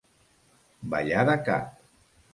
Ballar de cap.